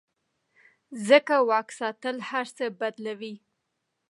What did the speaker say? ځکه واک ساتل هر څه بدلوي.